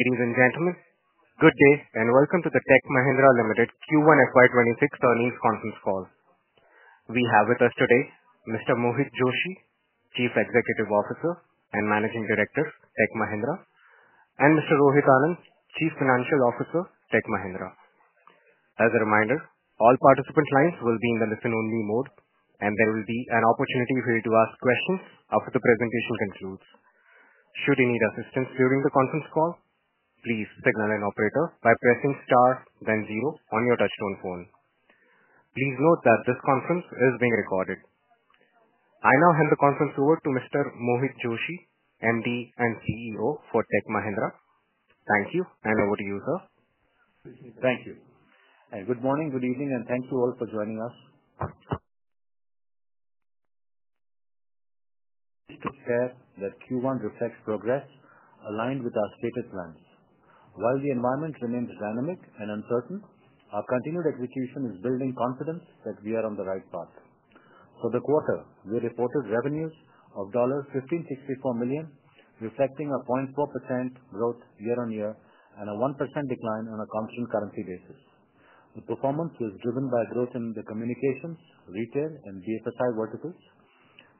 Ladies and gentlemen, good day and welcome to the Tech Mahindra Limited Q1 FY26 earnings conference call. We have with us today Mr. Mohit Joshi, Chief Executive Officer and Managing Director, Tech Mahindra, and Mr. Rohit Anand, Chief Financial Officer, Tech Mahindra. As a reminder, all participant lines will be in the listen-only mode, and there will be an opportunity for you to ask questions after the presentation concludes. Should you need assistance during the conference call, please signal an operator by pressing star, then zero on your touch-tone phone. Please note that this conference is being recorded. I now hand the conference over to Mr. Mohit Joshi, MD and CEO for Tech Mahindra. Thank you, and over to you, sir. Thank you. Good morning, good evening, and thank you all for joining us. It is to share that Q1 reflects progress aligned with our stated plans. While the environment remains dynamic and uncertain, our continued execution is building confidence that we are on the right path. For the quarter, we reported revenues of $1,564 million, reflecting 0.4% growth year-on-year and a 1% decline on a constant currency basis. The performance was driven by growth in the Communications, Retail, and BFSI verticals.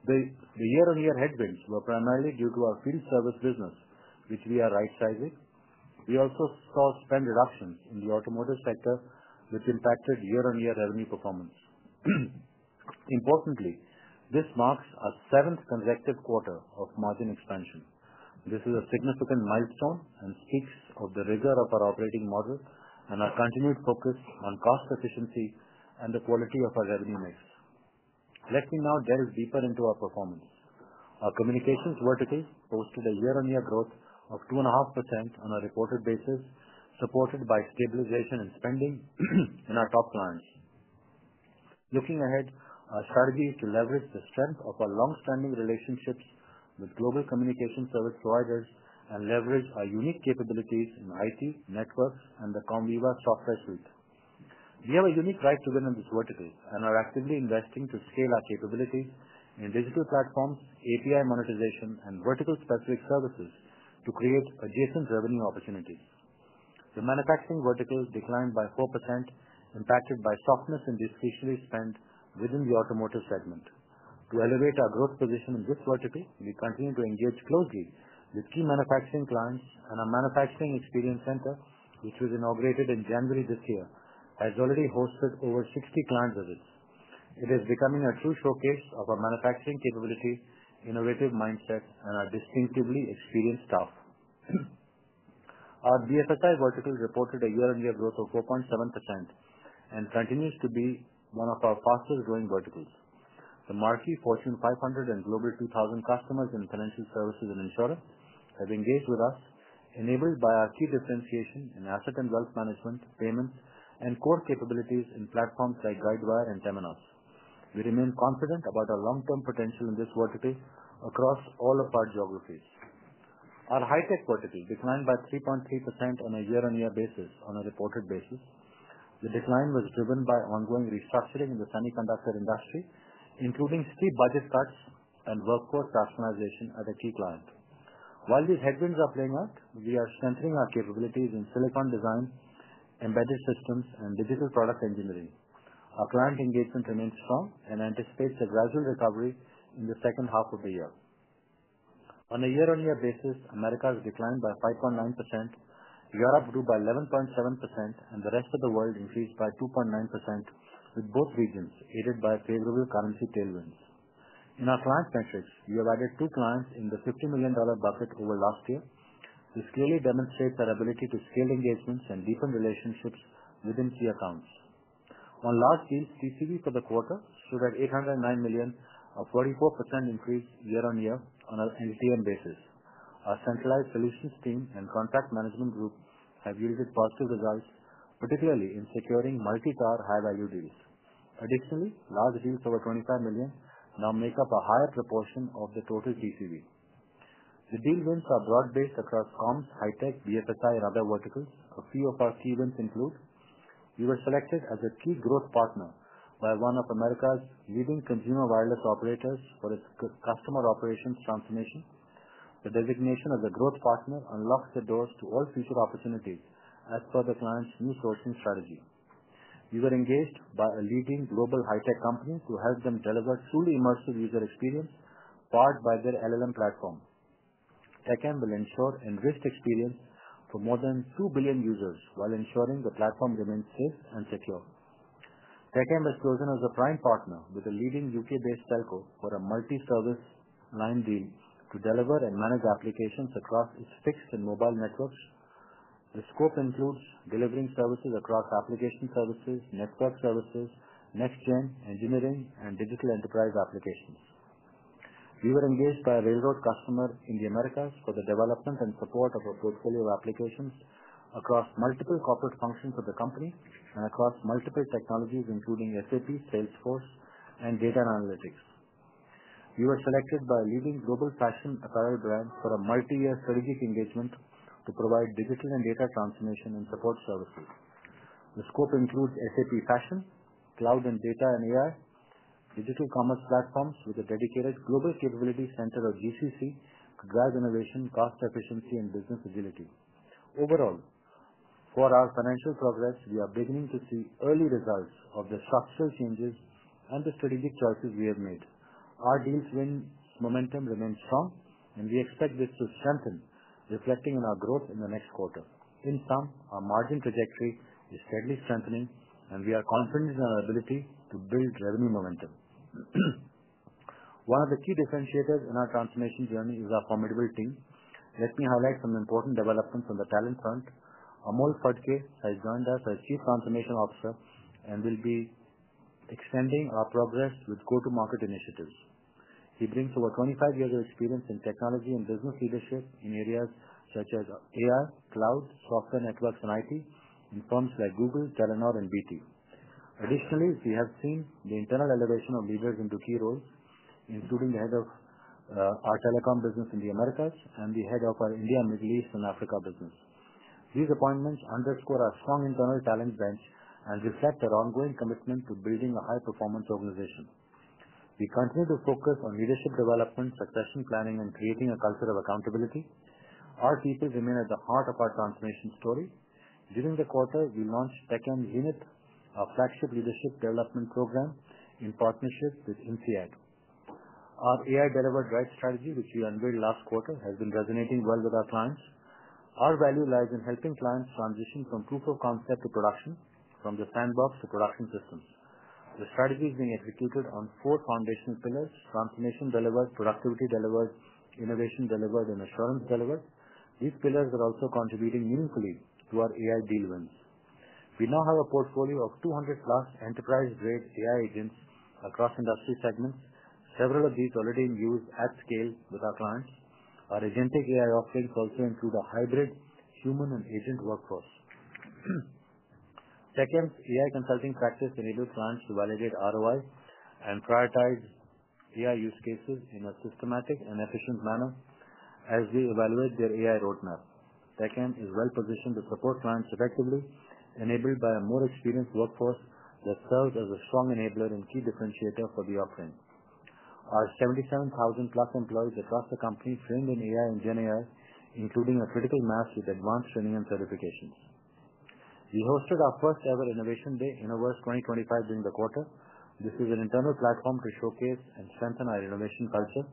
The year-on-year headwinds were primarily due to our field service business, which we are right-sizing. We also saw spend reductions in the Automotive sector, which impacted year-on-year revenue performance. Importantly, this marks our seventh consecutive quarter of margin expansion. This is a significant milestone and speaks of the rigor of our operating model and our continued focus on cost efficiency and the quality of our revenue mix. Let me now delve deeper into our performance. Our Communications verticals posted a year-on-year growth of 2.5% on a reported basis, supported by stabilization in spending in our top clients. Looking ahead, our strategy is to leverage the strength of our long-standing relationships with global communication service providers and leverage our unique capabilities in IT, networks, and the Comviva software suite. We have a unique right to win in this vertical and are actively investing to scale our capabilities in digital platforms, API monetization, and vertical-specific services to create adjacent revenue opportunities. The Manufacturing vertical declined by 4%, impacted by softness in this, especially spend within the Automotive segment. To elevate our growth position in this vertical, we continue to engage closely with key manufacturing clients, and our Manufacturing Experience Center, which was inaugurated in January this year, has already hosted over 60 client visits. It is becoming a true showcase of our manufacturing capability, innovative mindset, and our distinctively experienced staff. Our BFSI vertical reported a year-on-year growth of 4.7% and continues to be one of our fastest-growing verticals. The marquee, Fortune 500, and Global 2000 customers in financial services and insurance have engaged with us, enabled by our key differentiation in asset and wealth management, payments, and core capabilities in platforms like Guidewire and Temenos. We remain confident about our long-term potential in this vertical across all of our geographies. Our Hi-Tech vertical declined by 3.3% on a year-on-year basis on a reported basis. The decline was driven by ongoing restructuring in the semiconductor industry, including steep budget cuts and workforce rationalization at a key client. While these headwinds are playing out, we are strengthening our capabilities in silicon design, embedded systems, and digital product engineering. Our client engagement remains strong and anticipates a gradual recovery in the second half of the year. On a year-on-year basis, Americas has declined by 5.9%, Europe grew by 11.7%, and the rest of the world increased by 2.9%, with both regions aided by favorable currency tailwinds. In our client metrics, we have added two clients in the $50 million bucket over last year. This clearly demonstrates our ability to scale engagements and deepen relationships within key accounts. On large deals, TCV for the quarter stood at $809 million, a 44% increase year-on-year on an LTM basis. Our centralized solutions team and contract management group have yielded positive results, particularly in securing multi-tier, high-value deals. Additionally, large deals over $25 million now make up a higher proportion of the total TCV. The deal wins are broad-based across comms, Hi-Tech, BFSI, and other verticals. A few of our key wins include. We were selected as a key growth partner by one of America's leading consumer wireless operators for its customer operations transformation. The designation as a growth partner unlocks the doors to all future opportunities as per the client's new sourcing strategy. We were engaged by a leading global Hi-Tech company to help them deliver truly immersive user experience powered by their LLM platform. TechM will ensure enriched experience for more than 2 billion users while ensuring the platform remains safe and secure. TechM was chosen as a prime partner with a leading U.K.-based telco for a multi-service line deal to deliver and manage applications across its fixed and mobile networks. The scope includes delivering services across application services, network services, next-gen engineering, and digital enterprise applications. We were engaged by a railroad customer in the Americas for the development and support of a portfolio of applications across multiple corporate functions of the company and across multiple technologies, including SAP, Salesforce, and data analytics. We were selected by a leading global fashion apparel brand for a multi-year strategic engagement to provide digital and data transformation and support services. The scope includes SAP Fashion, Cloud and Data and AI, digital commerce platforms with a dedicated Global Capability Center or GCC to drive innovation, cost efficiency, and business agility. Overall, for our financial progress, we are beginning to see early results of the structural changes and the strategic choices we have made. Our deals win momentum remains strong, and we expect this to strengthen, reflecting in our growth in the next quarter. In sum, our margin trajectory is steadily strengthening, and we are confident in our ability to build revenue momentum. One of the key differentiators in our transformation journey is our formidable team. Let me highlight some important developments on the talent front. Amol Phadke has joined us as Chief Transformation Officer and will be extending our progress with go-to-market initiatives. He brings over 25 years of experience in Technology and Business leadership in areas such as AI, cloud, software networks, and IT in firms like Google, Telenor, and BT. Additionally, we have seen the internal elevation of leaders into key roles, including the Head of our Telecom business in the Americas and the head of our India, Middle East, and Africa business. These appointments underscore our strong internal talent bench and reflect our ongoing commitment to building a high-performance organization. We continue to focus on leadership development, succession planning, and creating a culture of accountability. Our people remain at the heart of our transformation story. During the quarter, we launched TechM Zenith, a flagship leadership development program in partnership with INSEAD. Our AI-delivered right strategy, which we unveiled last quarter, has been resonating well with our clients. Our value lies in helping clients transition from proof of concept to production, from the sandbox to production systems. The strategy is being executed on four foundational pillars: Transformation Delivered, Productivity Delivered, Innovation Delivered, and Assurance Delivered. These pillars are also contributing meaningfully to our AI deal wins. We now have a portfolio of 200+ enterprise-grade AI agents across industry segments, several of these already in use at scale with our clients. Our agentic AI offerings also include a hybrid human and agent workforce. TechM's AI consulting practice enables clients to validate ROI and prioritize AI use cases in a systematic and efficient manner as we evaluate their AI roadmap. TechM is well-positioned to support clients effectively, enabled by a more experienced workforce that serves as a strong enabler and key differentiator for the offering. Our 77,000+ employees across the company trained in AI and Gen-AI, including a critical mass with advanced training and certifications. We hosted our first-ever Innovation Day in August 2025 during the quarter. This is an internal platform to showcase and strengthen our innovation culture.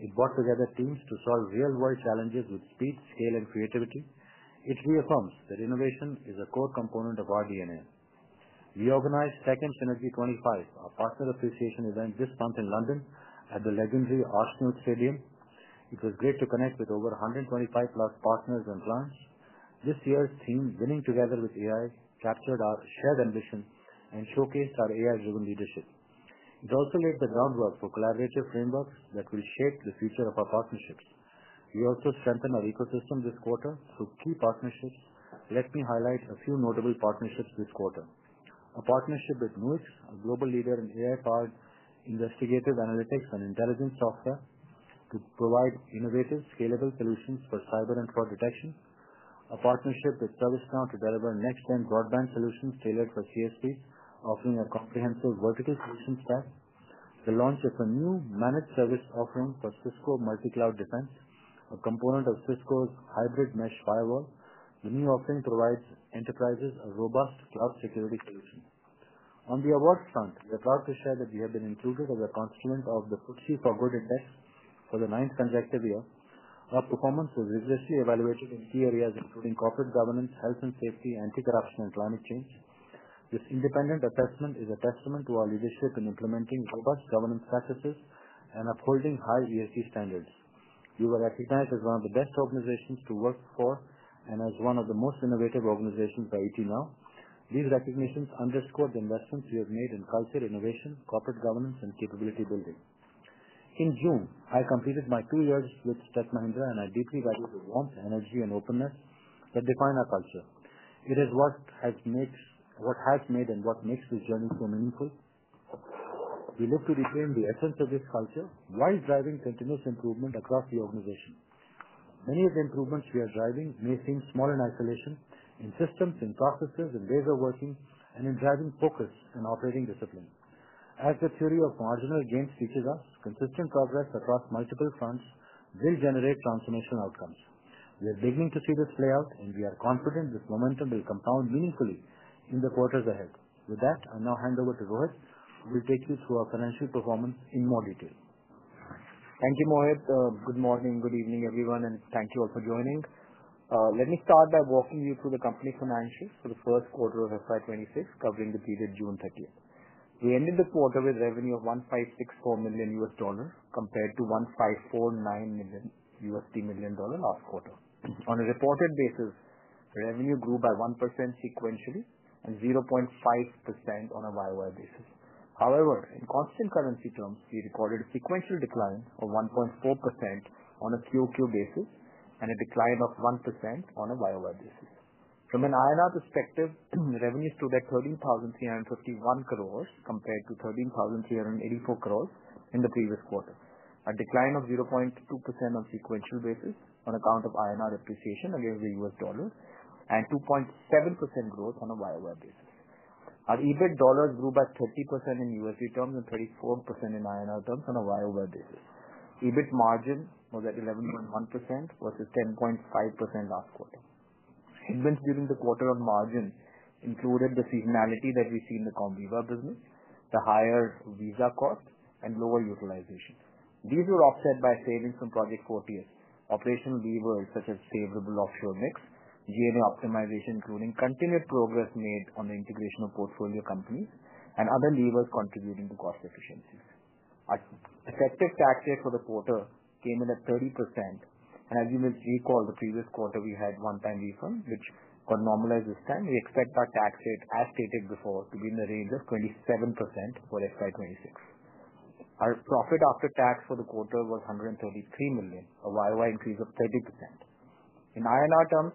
It brought together teams to solve real-world challenges with speed, scale, and creativity. It reaffirms that innovation is a core component of our DNA. We organized TechM Synergy'25, a partner appreciation event this month in London at the legendary Arsenal Stadium. It was great to connect with over 125+ partners and clients. This year's theme, "Winning Together with AI," captured our shared ambition and showcased our AI-driven leadership. It also laid the groundwork for collaborative frameworks that will shape the future of our partnerships. We also strengthened our ecosystem this quarter through key partnerships. Let me highlight a few notable partnerships this quarter. A partnership with NUIX, a global leader in AI-powered investigative analytics and intelligence software to provide innovative, scalable solutions for cyber and fraud detection. A partnership with ServiceNow to deliver next-gen broadband solutions tailored for CSP, offering a comprehensive vertical solution stack. The launch of a new managed service offering for Cisco multi-cloud defense, a component of Cisco's hybrid mesh firewall. The new offering provides enterprises a robust cloud security solution. On the awards front, we are proud to share that we have been included as a constituent of the FTSE4Good Index for the ninth consecutive year. Our performance was rigorously evaluated in key areas including corporate governance, health and safety, anti-corruption, and climate change. This independent assessment is a testament to our leadership in implementing robust governance practices and upholding high ESG standards. We were recognized as one of the Best Organizations to Work For and as One of the Most Innovative Organizations by ETNow. These recognitions underscore the investments we have made in culture, innovation, corporate governance, and capability building. In June, I completed my two years with Tech Mahindra, and I deeply value the warmth, energy, and openness that define our culture. It is what has made and what makes this journey so meaningful. We look to retain the essence of this culture while driving continuous improvement across the organization. Many of the improvements we are driving may seem small in isolation, in systems, in processes, in ways of working, and in driving focus and operating discipline. As the theory of marginal gains teaches us, consistent progress across multiple fronts will generate transformational outcomes. We are beginning to see this play out, and we are confident this momentum will compound meaningfully in the quarters ahead. With that, I now hand over to Rohit, who will take you through our financial performance in more detail. Thank you, Mohit. Good morning. Good evening, everyone, and thank you all for joining. Let me start by walking you through the company financials for the first quarter of FY2026, covering the period June 30th. We ended the quarter with revenue of $1,564 million compared to $1,549 million. USD last quarter. On a reported basis, revenue grew by 1% sequentially and 0.5% on a year-on-year basis. However, in constant currency terms, we recorded a sequential decline of 1.4% on a QoQ basis and a decline of 1% on a YoY basis. From an INR perspective, revenues stood at 13,351 crores compared to 13,384 crores in the previous quarter, a decline of 0.2% on a sequential basis on account of INR depreciation against the U.S. dollar and 2.7% growth on a YoY basis. Our EBIT dollars grew by 30% in USD terms and 34% in INR terms on a YoY basis. EBIT margin was at 11.1% versus 10.5% last quarter. Events during the quarter on margin included the seasonality that we see in the Comviva business, the higher visa cost, and lower utilization. These were offset by savings from Project Fortius, operational levers such as favorable offshore mix, DNA optimization, including continued progress made on the integration of portfolio companies and other levers contributing to cost efficiencies. Our effective tax rate for the quarter came in at 30%. As you may recall, the previous quarter, we had one-time refund, which got normalized this time. We expect our tax rate, as stated before, to be in the range of 27% for FY26. Our profit after tax for the quarter was $133 million, a YoY increase of 30%. In INR terms,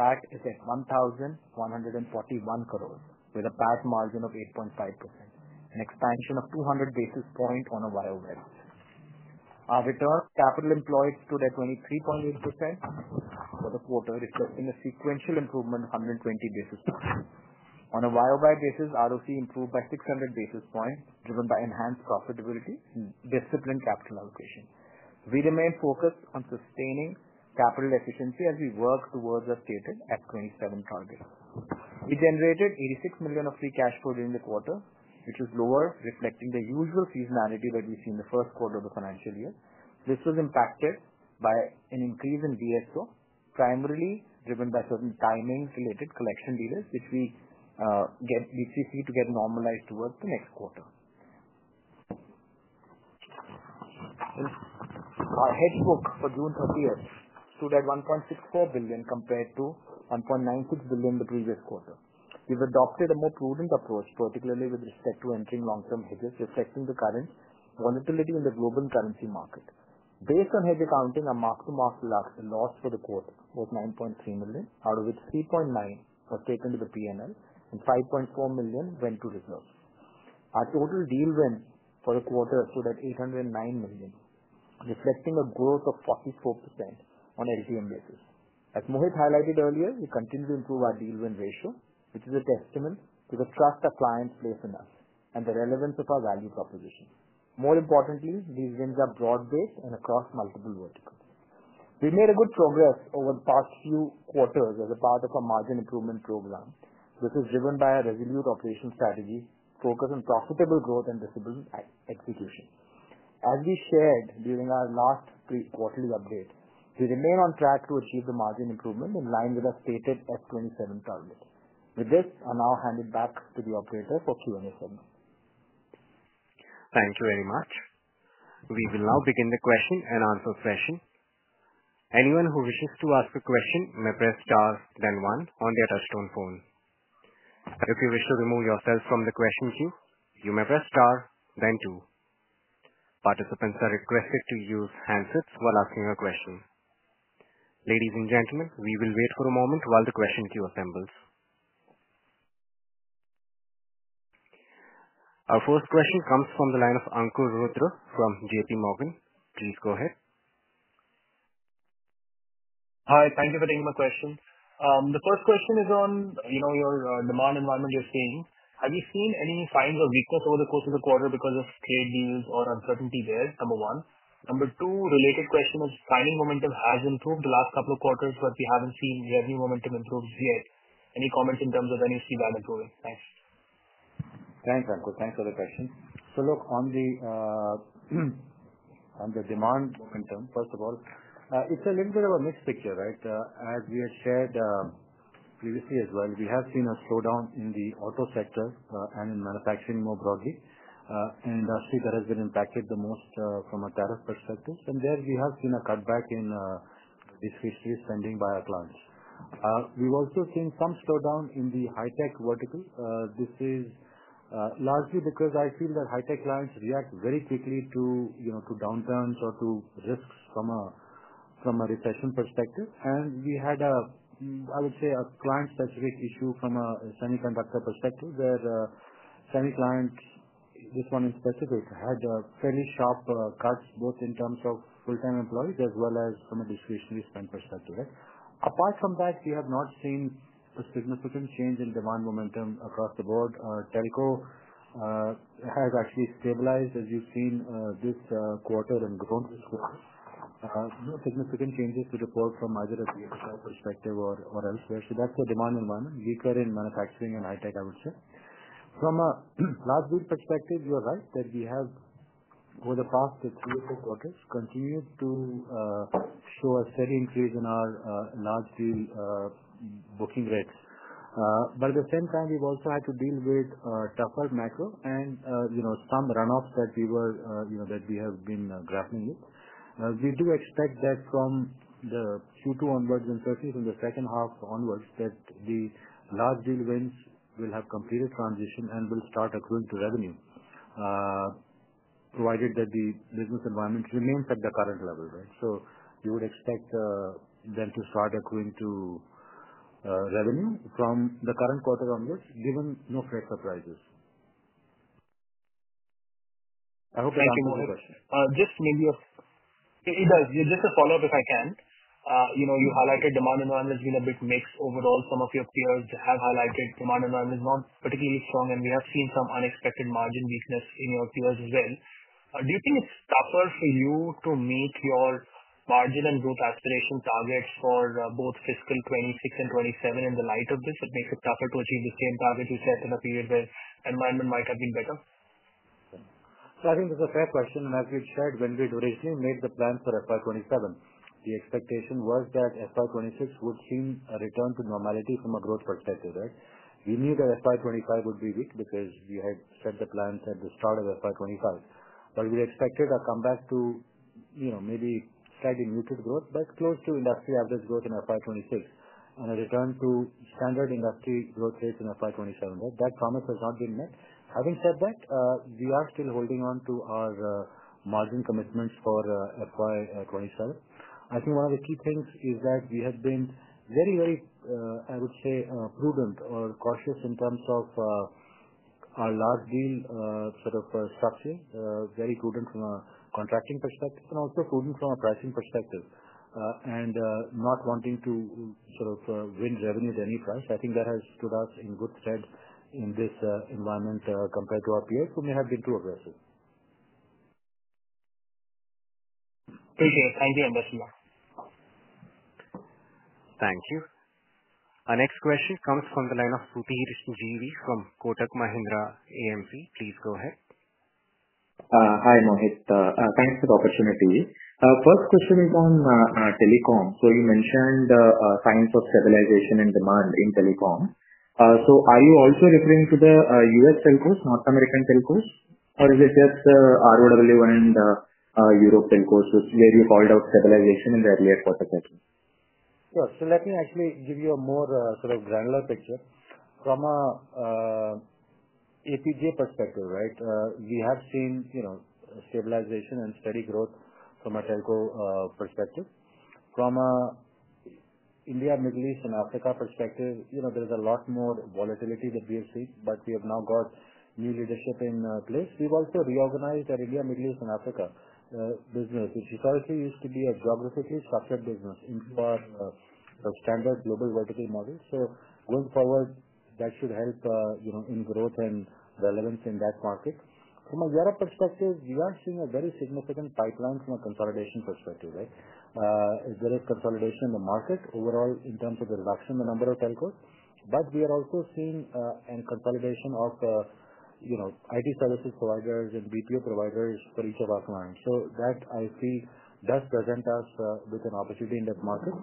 that is at 1,141 crores with a PAT margin of 8.5%, an expansion of 200 basis points on a YoY basis. Our return on capital employed stood at 23.8% for the quarter, reflecting a sequential improvement of 120 basis points. On a YoY basis, ROC improved by 600 basis points driven by enhanced profitability and disciplined capital allocation. We remain focused on sustaining capital efficiency as we work towards our stated FY27 target. We generated $86 million of free cash flow during the quarter, which was lower, reflecting the usual seasonality that we see in the first quarter of the financial year. This was impacted by an increase in DSO, primarily driven by certain timing-related collection dealers, which we need to get normalized towards the next quarter. Our hedge book for June 30th stood at $1.64 billion compared to $1.96 billion the previous quarter. We've adopted a more prudent approach, particularly with respect to entering long-term hedges, reflecting the current volatility in the global currency market. Based on hedge accounting, our mark-to-market loss for the quarter was $9.3 million, out of which $3.9 million was taken to the P&L, and $5.4 million went to reserves. Our total deal win for the quarter stood at $809 million, reflecting a growth of 44% on a LTM basis. As Mohit highlighted earlier, we continue to improve our deal win ratio, which is a testament to the trust our clients place in us and the relevance of our value proposition. More importantly, these wins are broad-based and across multiple verticals. We made good progress over the past few quarters as a part of our margin improvement program, which is driven by a resolute operational strategy focused on profitable growth and disciplined execution. As we shared during our last quarterly update, we remain on track to achieve the margin improvement in line with our stated FY27 target. With this, I now hand it back to the operator for Q&A segment. Thank you very much. We will now begin the question and answer session. Anyone who wishes to ask a question may press star then one on their touchstone phone. If you wish to remove yourself from the question queue, you may press star then two. Participants are requested to use handsets while asking a question. Ladies and gentlemen, we will wait for a moment while the question queue assembles. Our first question comes from the line of Ankur Rudra from JPMorgan. Please go ahead. Hi. Thank you for taking my question. The first question is on your demand environment you are seeing. Have you seen any signs of weakness over the course of the quarter because of trade deals or uncertainty there? Number one. Number two, related question is, signing momentum has improved the last couple of quarters, but we haven't seen revenue momentum improve yet. Any comments in terms of any of that improving? Thanks. Thanks, Ankur. Thanks for the question. Look, on the demand momentum, first of all, it's a little bit of a mixed picture, right? As we have shared previously as well, we have seen a slowdown in the Auto sector and in manufacturing more broadly, an industry that has been impacted the most from a tariff perspective. There, we have seen a cutback in this fiscal spending by our clients. We've also seen some slowdown in the Hi-Tech vertical. This is largely because I feel that high-tech clients react very quickly to downturns or to risks from a recession perspective. We had, I would say, a client-specific issue from a semiconductor perspective where semi-clients, this one in specific, had fairly sharp cuts, both in terms of full-time employees as well as from a discretionary spend perspective. Apart from that, we have not seen a significant change in demand momentum across the board. Telco has actually stabilized, as you've seen this quarter and grown this quarter. No significant changes to report from either a BFSI perspective or elsewhere. That is the demand environment, weaker in manufacturing and Hi-Tech, I would say. From a large deal perspective, you're right that we have, over the past three or four quarters, continued to show a steady increase in our large deal booking rates. At the same time, we've also had to deal with tougher macro and some runoffs that we have been grappling with. We do expect that from the Q2 onwards and certainly from the second half onwards, that the large deal wins will have completed transition and will start accruing to revenue. Provided that the business environment remains at the current level, right? You would expect them to start accruing to revenue from the current quarter onwards, given no fresh surprises. I hope that answers the question. Thank you, Mohit. Just maybe. It does. Just a follow-up, if I can. You highlighted demand environment has been a bit mixed overall. Some of your peers have highlighted demand environment is not particularly strong, and we have seen some unexpected margin weakness in your peers as well. Do you think it's tougher for you to meet your margin and growth aspiration targets for both fiscal 2026 and 2027 in the light of this? It makes it tougher to achieve the same targets you set in a period where environment might have been better? I think this is a fair question. As we've shared, when we originally made the plan for FY 2027, the expectation was that FY 2026 would see a return to normality from a growth perspective, right? We knew that FY25 would be weak because we had set the plans at the start of FY 2025. We expected a comeback to maybe slightly muted growth, but close to industry average growth in FY 2026 and a return to standard industry growth rates in FY 2027. That promise has not been met. Having said that, we are still holding on to our margin commitments for FY 2027. I think one of the key things is that we have been very, very, I would say, prudent or cautious in terms of. Our large deal sort of structure, very prudent from a contracting perspective and also prudent from a pricing perspective, and not wanting to sort of win revenue at any price. I think that has stood us in good stead in this environment compared to our peers who may have been too aggressive. Appreciate it. Thank you. Thank you. Our next question comes from the line of Sudheer GV from Kotak Mahindra AMC. Please go ahead. Hi, Mohit. Thanks for the opportunity. First question is on telecom. So you mentioned signs of stabilization and demand in telecom. So are you also referring to the U.S. telcos, North American telcos, or is it just ROW and Europe telcos, which is where you called out stabilization in the earlier quarter session? Yes. Let me actually give you a more sort of granular picture. From an APJ perspective, right, we have seen stabilization and steady growth from a telco perspective. From an India, Middle East, and Africa perspective, there is a lot more volatility that we have seen, but we have now got new leadership in place. We've also reorganized our India, Middle East, and Africa business, which historically used to be a geographically structured business into our standard global vertical model. Going forward, that should help in growth and relevance in that market. From a Europe perspective, we are seeing a very significant pipeline from a consolidation perspective, right? There is consolidation in the market overall in terms of the reduction in the number of telcos, but we are also seeing a consolidation of IT services providers and BPO providers for each of our clients. That, I feel, does present us with an opportunity in that market.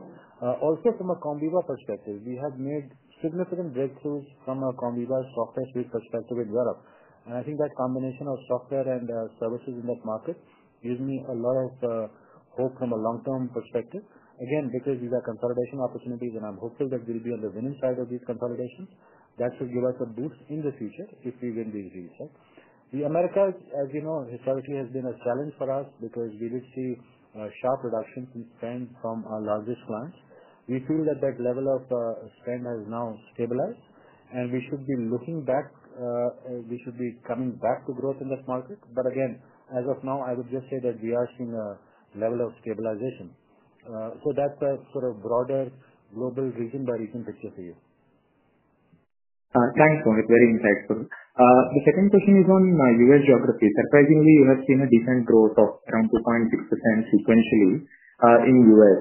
Also, from a Comviva perspective, we have made significant breakthroughs from a Comviva software suite perspective in Europe. I think that combination of software and services in that market gives me a lot of hope from a long-term perspective. Again, because these are consolidation opportunities, and I'm hopeful that we'll be on the winning side of these consolidations, that should give us a boost in the future if we win these deals, right? The Americas, as you know, historically has been a challenge for us because we did see a sharp reduction in spend from our largest clients. We feel that that level of spend has now stabilized, and we should be coming back to growth in that market. Again, as of now, I would just say that we are seeing a level of stabilization. That's a sort of broader global region-by-region picture for you. Thanks, Mohit. Very insightful. The second question is on U.S. geography. Surprisingly, you have seen a decent growth of around 2.6% sequentially in the U.S.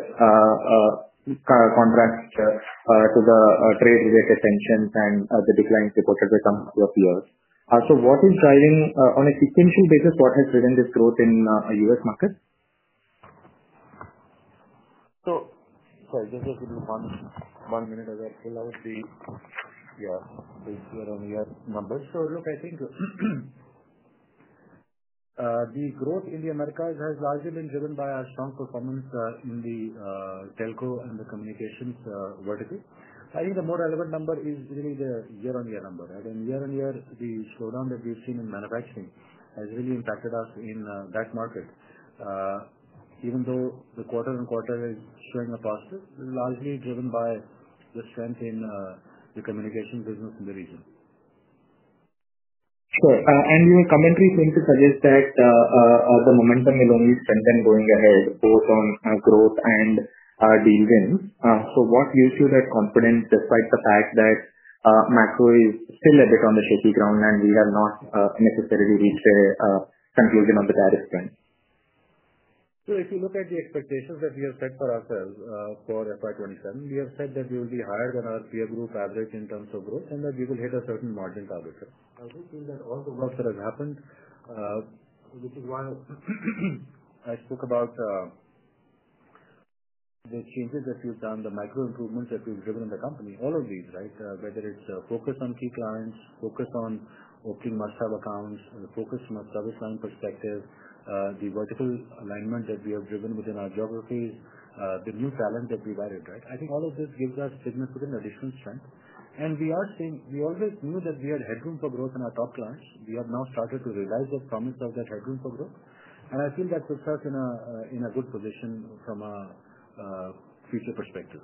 Contrast to the trade-related tensions and the declines reported by some of your peers. What is driving, on a sequential basis, what has driven this growth in the U.S. market? Sorry, just give me one minute as I pull out the base year-on-year numbers. Look, I think the growth in the Americas has largely been driven by our strong performance in the telco and the communications vertical. I think the more relevant number is really the year-on-year number, right? Year-on-year, the slowdown that we've seen in Manufacturing has really impacted us in that market. Even though the quarter-on-quarter is showing a positive, largely driven by the strength in the communication business in the region. Sure. Your commentary seems to suggest that the momentum will only strengthen going ahead, both on growth and deal wins. What gives you that confidence despite the fact that macro is still a bit on the shaky ground and we have not necessarily reached a conclusion on the tariff spend? If you look at the expectations that we have set for ourselves for FY 2027, we have said that we will be higher than our peer group average in terms of growth and that we will hit a certain margin target. I do feel that all the work that has happened, which is why I spoke about the changes that we've done, the micro improvements that we've driven in the company, all of these, right? Whether it's focus on key clients, focus on opening must-have accounts, focus from a service line perspective, the vertical alignment that we have driven within our geographies, the new talent that we've added, right? I think all of this gives us significant additional strength. We always knew that we had headroom for growth in our top clients. We have now started to realize the promise of that headroom for growth. I feel that puts us in a good position from a future perspective.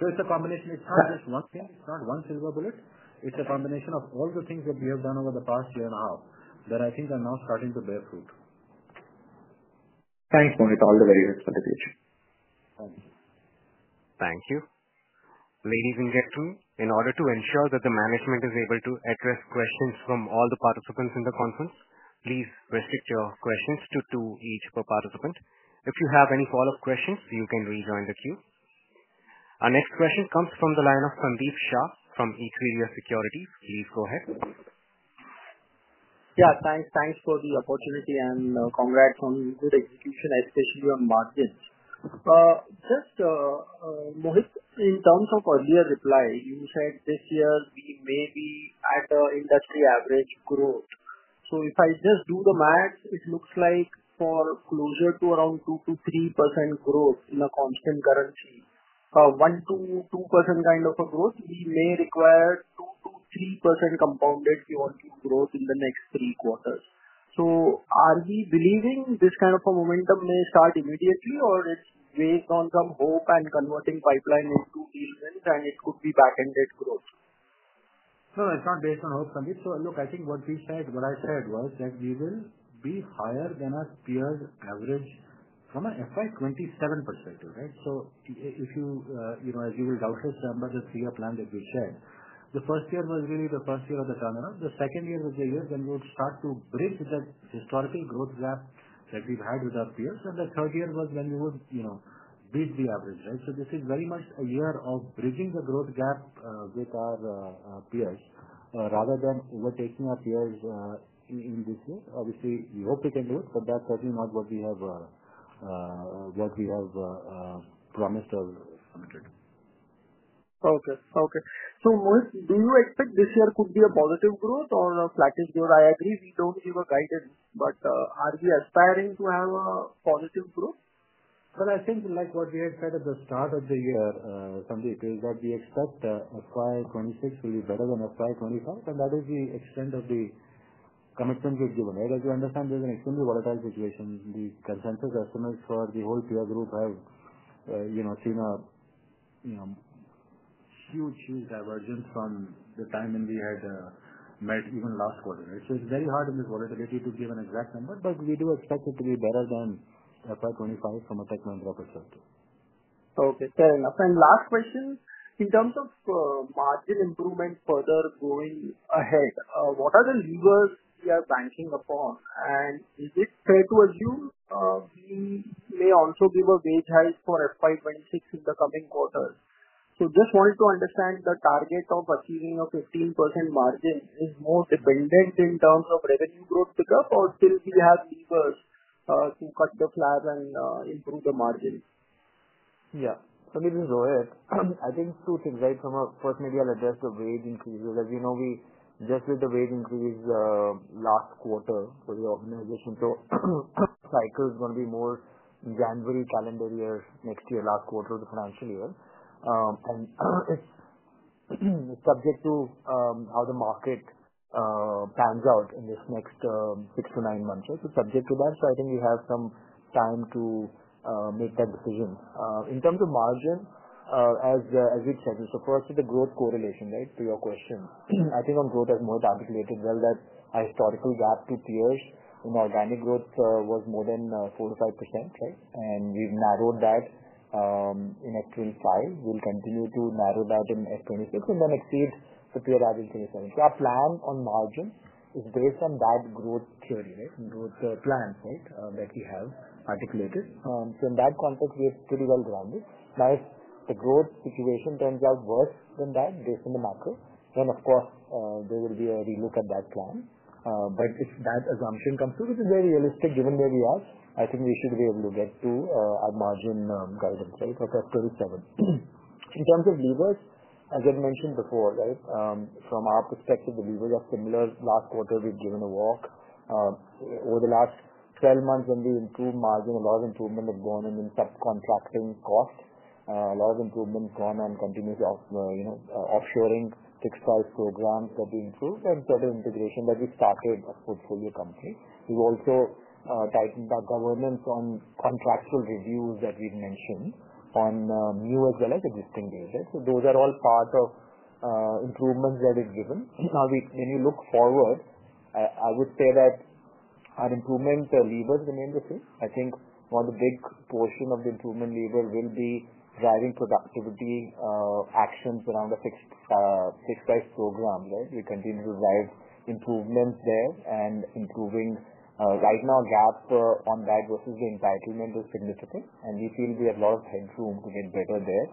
It is a combination. It is not just one thing. It is not one silver bullet. It is a combination of all the things that we have done over the past year and a half that I think are now starting to bear fruit. Thanks, Mohit. All the very best for the future. Thank you. Thank you. Ladies and gentlemen, in order to ensure that the management is able to address questions from all the participants in the conference, please restrict your questions to two each per participant. If you have any follow-up questions, you can rejoin the queue. Our next question comes from the line of Sandeep Shah from Equirus Securities. Please go ahead. Yeah. Thanks. Thanks for the opportunity and congrats on good execution, especially on margins. Just. Mohit, in terms of earlier reply, you said this year we may be at industry average growth. If I just do the math, it looks like for closer to around 2%-3% growth in constant currency, 1%-2% kind of a growth, we may require 2%-3% compounded growth in the next three quarters. Are we believing this kind of a momentum may start immediately, or it's based on some hope and converting pipeline into deal wins, and it could be back-ended growth? No, it's not based on hope, Sandeep. Look, I think what we said, what I said was that we will be higher than our peers' average from an FY 2027 perspective, right? If you, as you will doubtless remember the three-year plan that we shared, the first year was really the first year of the turnaround. The second year was the year when we would start to bridge that historical growth gap that we've had with our peers. The third year was when we would beat the average, right? This is very much a year of bridging the growth gap with our peers rather than overtaking our peers in this year. Obviously, we hope we can do it, but that's certainly not what we have promised or committed. Okay. Okay. So Mohit, do you expect this year could be a positive growth or a flattish growth? I agree we don't give a guidance, but are we aspiring to have a positive growth? I think like what we had said at the start of the year, Sandeep, is that we expect FY 2026 will be better than FY 2025, and that is the extent of the commitment we've given, right? As you understand, there's an extremely volatile situation. The consensus estimates for the whole peer group have seen a huge, huge divergence from the time when we had met even last quarter, right? It's very hard in this volatility to give an exact number, but we do expect it to be better than FY 2025 from a Tech Mahindra perspective. Okay. Fair enough. Last question. In terms of margin improvement further going ahead, what are the levers we are banking upon? Is it fair to assume we may also give a wage hike for FY 2026 in the coming quarters? Just wanted to understand, the target of achieving a 15% margin is more dependent in terms of revenue growth pickup, or still we have levers to cut the flag and improve the margin? Yeah. Sandeep, this is Rohit. I think two things, right? First, maybe I'll address the wage increase. As you know, we just did the wage increase last quarter for the organization. Cycle is going to be more in January calendar year next year, last quarter of the financial year. It's subject to how the market pans out in this next 6-9 months, right? Subject to that. I think we have some time to make that decision. In terms of margin, as we've said, first is the growth correlation, right? To your question, I think on growth, as Mohit articulated well, that historical gap to peers in organic growth was more than 4%-5%, right? We've narrowed that. In FY25, we'll continue to narrow that in FY26 and then exceed the peer average in FY27. Our plan on margin is based on that growth theory, right? Growth plans, right, that we have articulated. In that context, we are pretty well grounded. If the growth situation turns out worse than that based on the macro, then, of course, there will be a relook at that plan. If that assumption comes through, which is very realistic given where we are, I think we should be able to get to our margin guidance, right, of F27. In terms of levers, as I mentioned before, right, from our perspective, the levers are similar. Last quarter, we've given a walk. Over the last 12 months, when we improved margin, a lot of improvement has gone in subcontracting cost. A lot of improvement has gone on continuous offshoring fixed price programs that we improved and sort of integration that we started a portfolio company. We've also tightened our governance on contractual reviews that we've mentioned on new as well as existing deals, right? Those are all part of improvements that we've given. Now, when you look forward, I would say that our improvement levers remain the same. I think one of the big portions of the improvement lever will be driving productivity actions around a fixed price program, right? We continue to drive improvements there and improving. Right now, our gap on that versus the entitlement is significant. We feel we have a lot of headroom to get better there,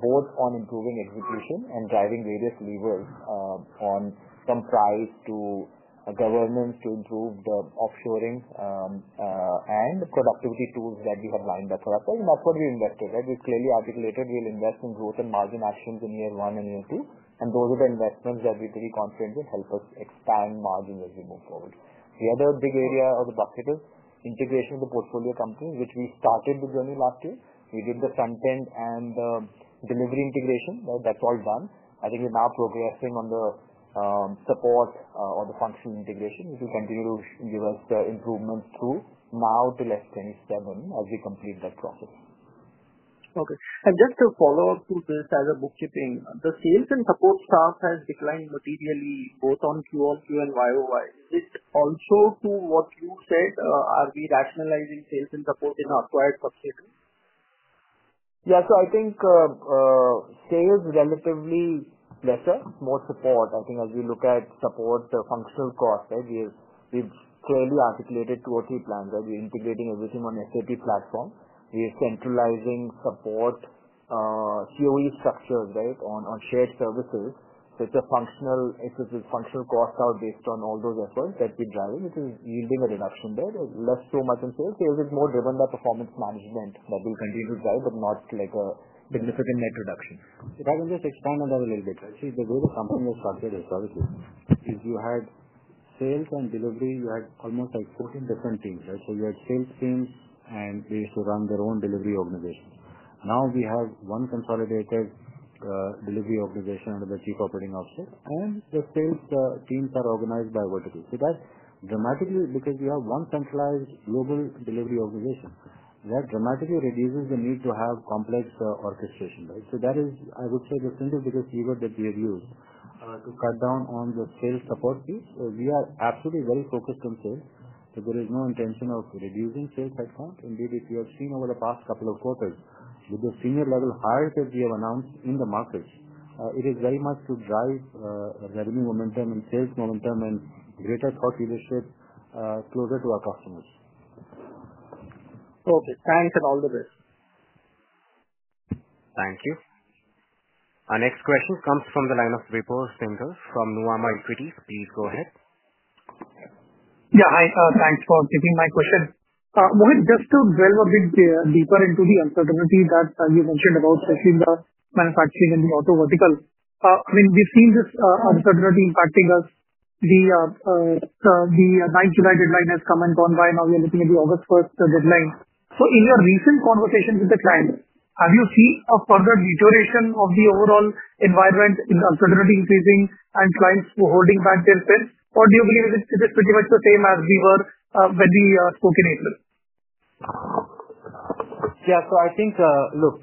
both on improving execution and driving various levers on some price to governance to improve the offshoring. Productivity tools that we have lined up for ourselves. That is what we invested, right? We have clearly articulated we will invest in growth and margin actions in year one and year two. Those are the investments that we are pretty confident will help us expand margins as we move forward. The other big area of the bucket is integration of the portfolio companies, which we started the journey last year. We did the front-end and the delivery integration, right? That's all done. I think we're now progressing on the support or the functional integration, which will continue to give us the improvements through now to FY27 as we complete that process. Okay. Just to follow up to this as a bookkeeping, the sales and support staff has declined materially both on QoQ and YoY. Is this also to what you said? Are we rationalizing sales and support in our acquired subsidiaries? Yeah. I think sales relatively better, more support. I think as we look at support, the functional cost, right, we've clearly articulated two or three plans, right? We're integrating everything on the SAP platform. We're centralizing support. COE structures, right, on shared services. It's a functional cost out based on all those efforts that we're driving, which is yielding a reduction there. There's less so much in sales. Sales is more driven by performance management that we'll continue to drive, but not a significant net reduction. If I can just expand on that a little bit, right? See, the way the company is structured is obviously if you had sales and delivery, you had almost like 14 different teams, right? You had sales teams, and they used to run their own delivery organizations. Now we have one consolidated delivery organization under the Chief Operating Officer. The sales teams are organized by vertical. That dramatically, because we have one centralized global delivery organization, that dramatically reduces the need to have complex orchestration, right? That is, I would say, the single biggest lever that we have used to cut down on the sales support piece. We are absolutely very focused on sales. There is no intention of reducing sales headcount. Indeed, if you have seen over the past couple of quarters, with the senior-level hires that we have announced in the markets, it is very much to drive revenue momentum and sales momentum and greater thought leadership closer to our customers. Okay. Thanks and all the best. Thank you. Our next question comes from the line of Vibhor Singhal from Nuvama Equities. Please go ahead. Yeah. Hi. Thanks for taking my question. Mohit, just to delve a bit deeper into the uncertainty that you mentioned about, especially the manufacturing and the auto vertical, I mean, we've seen this uncertainty impacting us. The July 9th deadline has come and gone by. Now we are looking at the August 1st deadline. In your recent conversations with the clients, have you seen a further deterioration of the overall environment, uncertainty increasing, and clients holding back their spend? Or do you believe it is pretty much the same as we were when we spoke in April? Yeah. I think, look.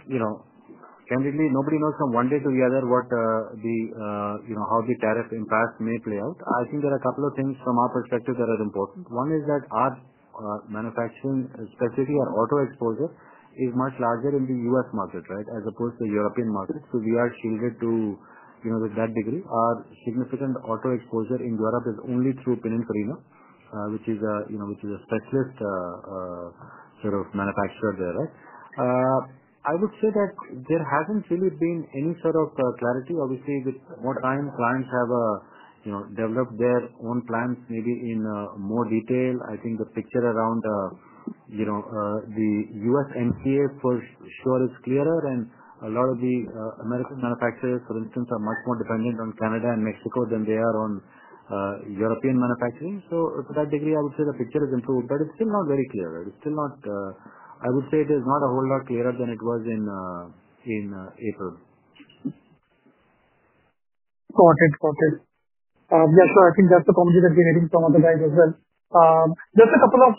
Candidly, nobody knows from one day to the other what, how the tariff impact may play out. I think there are a couple of things from our perspective that are important. One is that our manufacturing, specifically our auto exposure, is much larger in the U.S. market, right, as opposed to the European market. We are shielded to that degree. Our significant auto exposure in Europe is only through Pininfarina, which is a specialist sort of manufacturer there, right? I would say that there hasn't really been any sort of clarity. Obviously, with more time, clients have developed their own plans maybe in more detail. I think the picture around. The USMCA for sure is clearer, and a lot of the American manufacturers, for instance, are much more dependent on Canada and Mexico than they are on European manufacturing. To that degree, I would say the picture has improved, but it's still not very clear, right? It's still not, I would say it is not a whole lot clearer than it was in April. Got it. Got it. Yeah. I think that's the commentary that we're getting from other guys as well. Just a couple of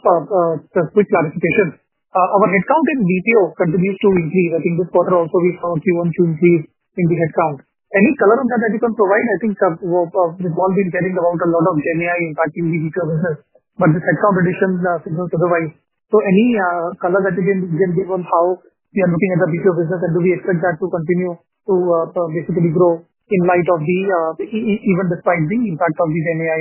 quick clarifications. Our headcount in BPO continues to increase. I think this quarter also, we found QoQto increase in the headcount. Any color on that that you can provide? I think we've all been getting about a lot of GenAI impacting the BPO business, but this headcount addition seems to survive. Any color that you can give on how we are looking at the BPO business, and do we expect that to continue to basically grow in light of the, even despite the impact of the GenAI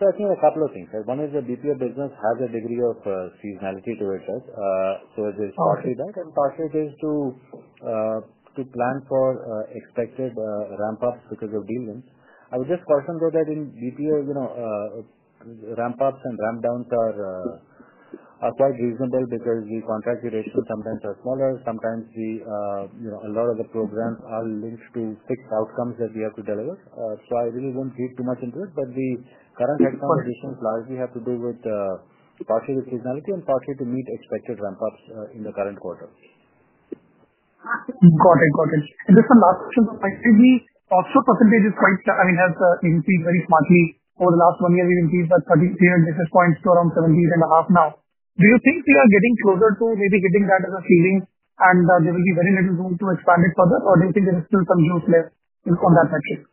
rollout? I think a couple of things, right? One is the BPO business has a degree of seasonality to it, right? There is partially that, and partially there is to plan for expected ramp-ups because of deal wins. I would just caution, though, that in BPO, ramp-ups and ramp-downs are quite reasonable because the contract durations sometimes are smaller. Sometimes a lot of the programs are linked to fixed outcomes that we have to deliver. I really will not dig too much into it, but the current headcount additions largely have to do with partially the seasonality and partially to meet expected ramp-ups in the current quarter. Got it. Got it. Just some last questions, Mohit. I mean, the offshore percentage is quite, I mean, has increased very smartly. Over the last one year, we have increased by 33 basis points to around 17.5% now. Do you think we are getting closer to maybe hitting that as a ceiling and there will be very little room to expand it further, or do you think there is still some juice left on that metric?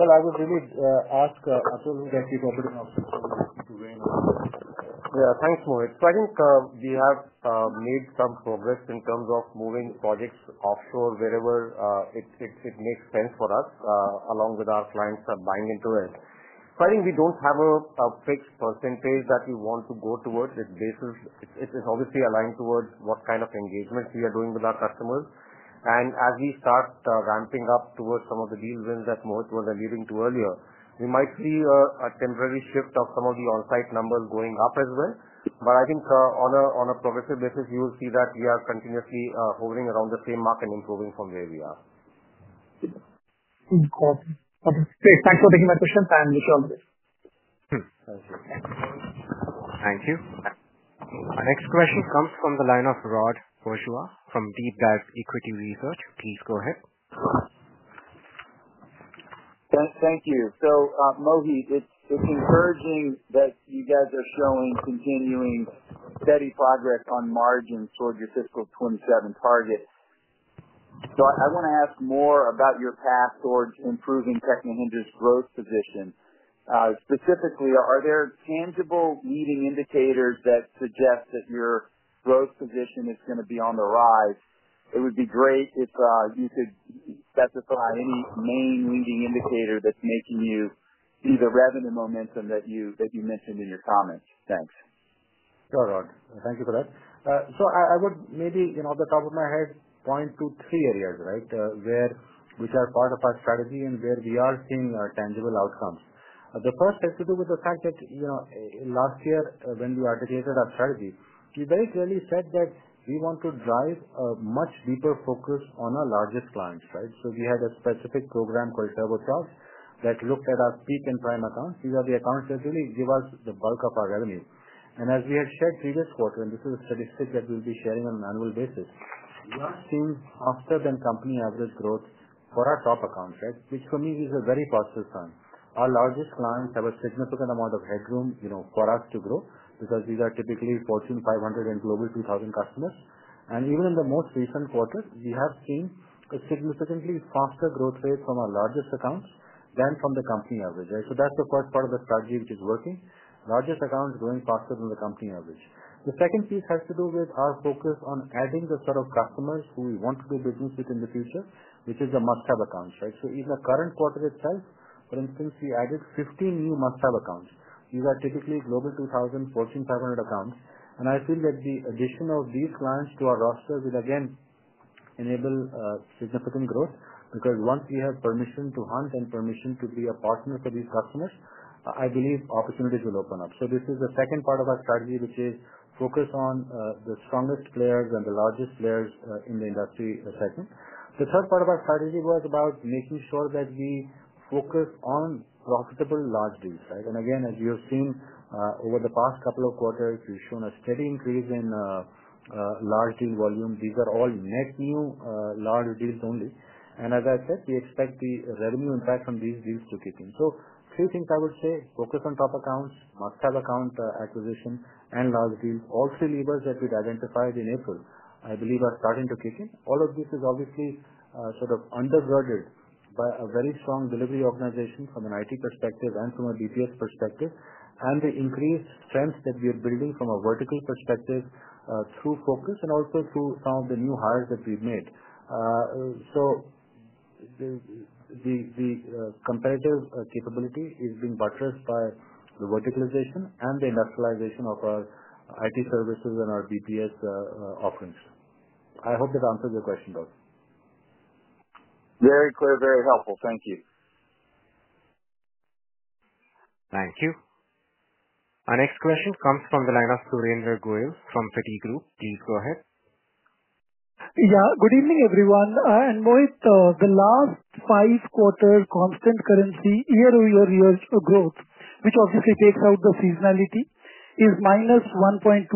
I would really ask Atul, the Chief Operating Officer, to weigh in on that. Yeah. Thanks, Mohit. I think we have made some progress in terms of moving projects offshore wherever it makes sense for us, along with our clients buying into it. I think we do not have a fixed percentage that we want to go towards. It is obviously aligned towards what kind of engagements we are doing with our customers. As we start ramping up towards some of the deal wins that Mohit was alluding to earlier, we might see a temporary shift of some of the on-site numbers going up as well. I think on a progressive basis, you will see that we are continuously hovering around the same mark and improving from where we are. Got it. Okay. Thanks for taking my questions. I am with you on this. Thank you. Thank you. Our next question comes from the line of Rod Bourgeois from DeepDive Equity Research. Please go ahead. Thank you. Mohit, it is encouraging that you guys are showing continuing steady progress on margins toward your fiscal 2027 target. I want to ask more about your path towards improving Tech Mahindra's growth position. Specifically, are there tangible leading indicators that suggest that your growth position is going to be on the rise? It would be great if you could specify any main leading indicator that's making you see the revenue momentum that you mentioned in your comments. Thanks. Sure, Rod. Thank you for that. I would maybe, off the top of my head, point to three areas, right, which are part of our strategy and where we are seeing tangible outcomes. The first has to do with the fact that last year, when we articulated our strategy, we very clearly said that we want to drive a much deeper focus on our largest clients, right? We had a specific program called Turbocharge that looked at our peak and prime accounts. These are the accounts that really give us the bulk of our revenue. As we had shared previous quarter, and this is a statistic that we'll be sharing on an annual basis, we are seeing faster-than-company average growth for our top accounts, right? Which, for me, is a very positive sign. Our largest clients have a significant amount of headroom for us to grow because these are typically Fortune 500 and Global 2000 customers. Even in the most recent quarter, we have seen a significantly faster growth rate from our largest accounts than from the company average, right? That is the first part of the strategy which is working: largest accounts growing faster than the company average. The second piece has to do with our focus on adding the sort of customers who we want to do business with in the future, which is the must-have accounts, right? In the current quarter itself, for instance, we added 15 new must-have accounts. These are typically Global 2000, Fortune 500 accounts. I feel that the addition of these clients to our roster will, again, enable significant growth because once we have permission to hunt and permission to be a partner for these customers, I believe opportunities will open up. This is the second part of our strategy, which is focus on the strongest players and the largest players in the industry segment. The third part of our strategy was about making sure that we focus on profitable large deals, right? As you have seen over the past couple of quarters, we've shown a steady increase in large deal volume. These are all net new large deals only. As I said, we expect the revenue impact from these deals to kick in. So three things I would say: focus on top accounts, must-have account acquisition, and large deals. All three levers that we'd identified in April, I believe, are starting to kick in. All of this is obviously sort of undergirded by a very strong delivery organization from an IT perspective and from a BPS perspective, and the increased strength that we are building from a vertical perspective through focus and also through some of the new hires that we've made. The comparative capability is being buttressed by the verticalization and the industrialization of our IT services and our BPS offerings. I hope that answers your question, Rod. Very clear, very helpful. Thank you. Thank you. Our next question comes from the line of Surendra Goyal from Citiroup. Please go ahead. Yeah. Good evening, everyone. Mohit, the last five-quarter constant currency year-over-year growth, which obviously takes out the seasonality, is -1.2%, +1.2%,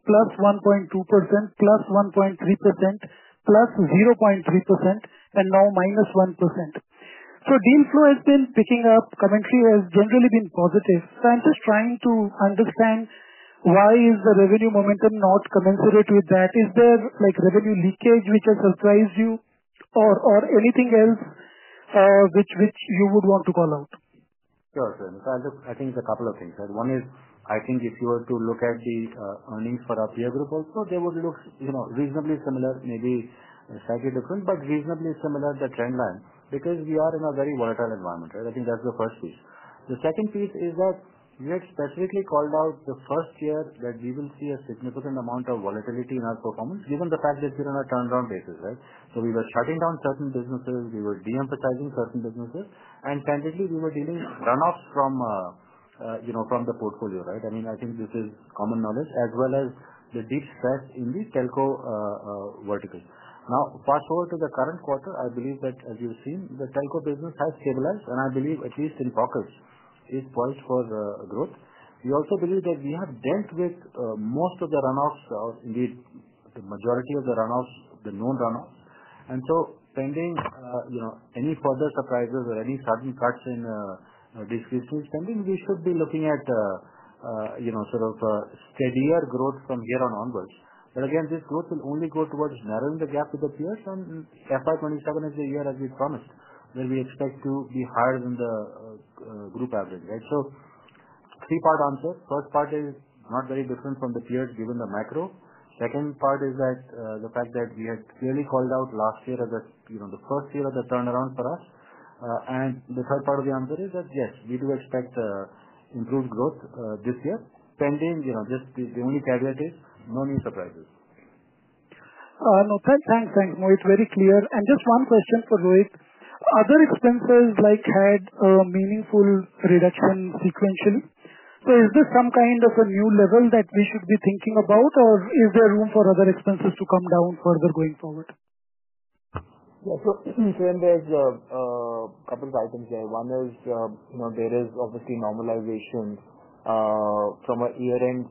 +1.3%, +0.3%, and now -1%. Deal flow has been picking up. Commentary has generally been positive. I am just trying to understand. Why is the revenue momentum not commensurate with that? Is there revenue leakage which has surprised you or anything else which you would want to call out? Sure, Surendra. I think it is a couple of things, right? One is, I think if you were to look at the earnings for our peer group also, they would look reasonably similar, maybe slightly different, but reasonably similar to the trend line because we are in a very volatile environment, right? I think that is the first piece. The second piece is that we had specifically called out the first year that we will see a significant amount of volatility in our performance, given the fact that we're on a turnaround basis, right? We were shutting down certain businesses. We were de-emphasizing certain businesses. And candidly, we were dealing with run-offs from the portfolio, right? I mean, I think this is common knowledge, as well as the deep stress in the Telco verticals. Now, fast forward to the current quarter, I believe that, as you've seen, the Telco business has stabilized, and I believe, at least in pockets, is poised for growth. We also believe that we have dealt with most of the run-offs or indeed the majority of the run-offs, the known run-offs. Pending any further surprises or any sudden cuts in discretionary spending, we should be looking at. Sort of steadier growth from here on onwards. Again, this growth will only go towards narrowing the gap with the peers, and FY27 is the year, as we promised, where we expect to be higher than the group average, right? Three-part answer. First part is not very different from the peers given the macro. Second part is the fact that we had clearly called out last year as the first year of the turnaround for us. The third part of the answer is that, yes, we do expect improved growth this year. Pending, just the only caveat is no new surprises. No, thanks. Thanks, Mohit. Very clear. Just one question for Rohit. Other expenses had a meaningful reduction sequentially. Is this some kind of a new level that we should be thinking about, or is there room for other expenses to come down further going forward? Yeah. There's a couple of items there. One is there is obviously normalization from a year-end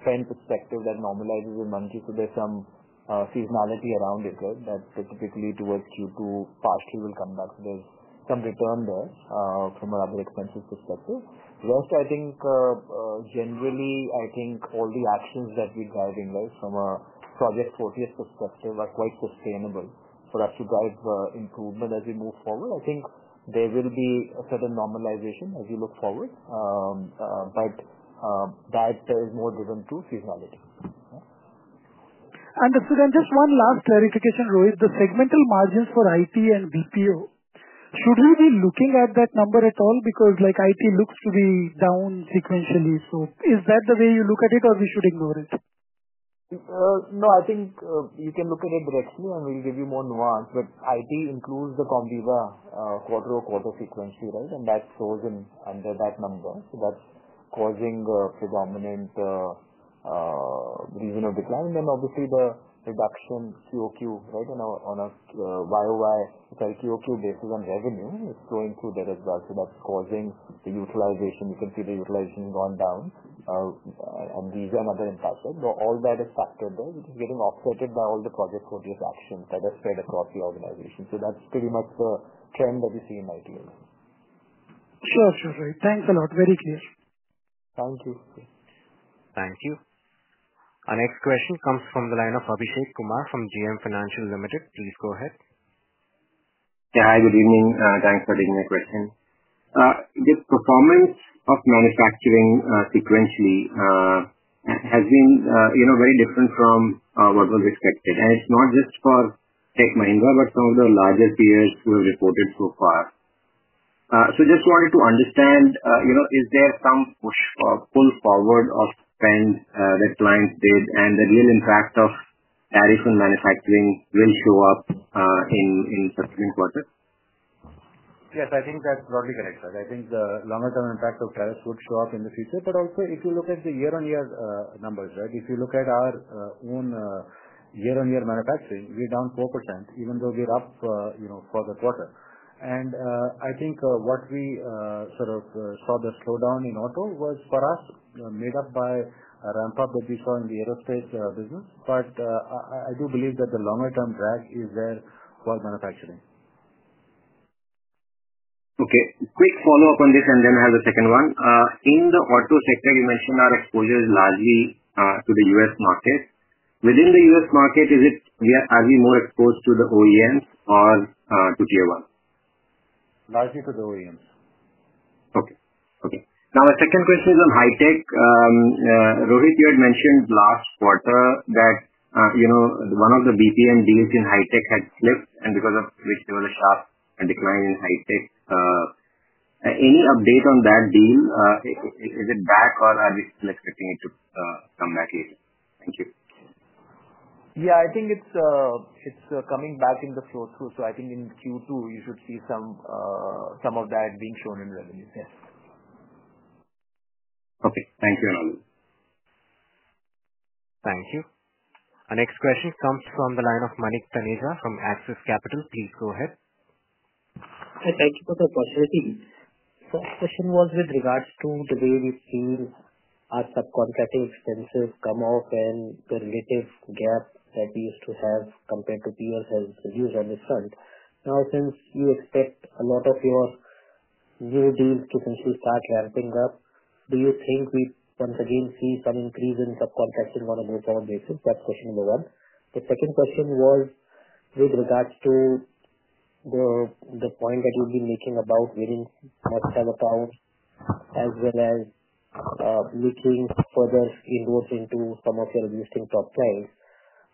spend perspective that normalizes in monthly. There's some seasonality around it, right, that typically towards Q2 partially will come back. There's some return there from another expense perspective. Rest, I think generally, I think all the actions that we're driving, right, from a Project Fortis perspective are quite sustainable for us to drive improvement as we move forward. I think there will be a certain normalization as we look forward. That is more driven to seasonality. Understood. Just one last clarification, Rohit. The segmental margins for IT and BPO, should we be looking at that number at all? Because IT looks to be down sequentially. Is that the way you look at it, or we should ignore it? No, I think you can look at it directly, and we'll give you more nuance. IT includes the Comviva quarter-over-quarter sequentially, right? That shows under that number. That is causing the predominant reason of decline. Obviously, the reduction QoQ, right, on a YoY, sorry, quarter-over-quarter basis on revenue is flowing through there as well. That is causing the utilization. You can see the utilization has gone down. These are another impact, right? All that is factored there, which is getting offset by all the Project Fortis actions that are spread across the organization. That is pretty much the trend that we see in IT right now. Sure, sure, Rohit. Thanks a lot. Very clear. Thank you. Thank you. Our next question comes from the line of Abhishek Kumar from JM Financial Limited. Please go ahead. Yeah. Hi, good evening. Thanks for taking my question. The performance of Manufacturing sequentially has been very different from what was expected. It's not just for Tech Mahindra, but some of the larger peers who have reported so far. Just wanted to understand, is there some push for pull forward of spend that clients did, and the real impact of tariffs on manufacturing will show up in subsequent quarters? Yes, I think that's broadly correct, right? I think the longer-term impact of tariffs would show up in the future. Also, if you look at the year-on-year numbers, right, if you look at our own year-on-year manufacturing, we're down 4%, even though we're up for the quarter. I think what we sort of saw, the slowdown in auto was, for us, made up by a ramp-up that we saw in the aerospace business. I do believe that the longer-term drag is there for manufacturing. Okay. Quick follow-up on this, and then I have a second one. In the auto sector, you mentioned our exposure is largely to the U.S. market. Within the US market, are we more exposed to the OEMs or to Tier 1? Largely to the OEMs. Okay. Okay. Now, my second question is on hi-tech. Rohit, you had mentioned last quarter that one of the BPM deals in hi-tech had slipped, and because of which there was a sharp decline in hi-tech. Any update on that deal? Is it back, or are we still expecting it to come back later? Thank you. Yeah, I think it's coming back in the flow through. I think in Q2, you should see some of that being shown in revenues, yes. Okay. Thank you and all of you. Thank you. Our next question comes from the line of Manik Taneja from Axis Capital. Please go ahead. Hi, thank you for the opportunity. First question was with regards to the way we've seen our subcontracting expenses come off, and the relative gap that we used to have compared to peers has reduced on this front. Now, since you expect a lot of your new deals to essentially start ramping up, do you think we once again see some increase in subcontracting on a go-forward basis? That's question number one. The second question was with regards to the point that you've been making about winning must-have accounts as well as. Making further inroads into some of your existing top clients.